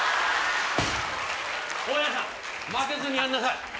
大家さん負けずにやんなさい。